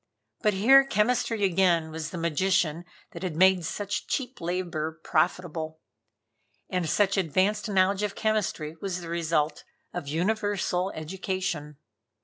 But here chemistry again was the magician that had made such cheap labor profitable. And such advanced knowledge of chemistry was the result of universal education.